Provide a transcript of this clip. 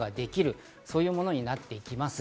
こういうものになっていきます。